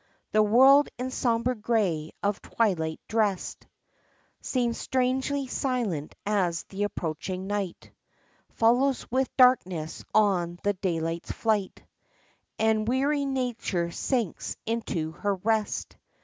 The world in sombre grey of twilight drest Seems strangely silent as the approaching night Follows with darkness on the daylight's flight; And weary Nature sinks into her rest.